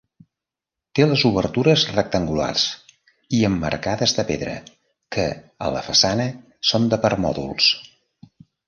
Té les obertures rectangulars i emmarcades de pedra que, a la façana són de permòdols.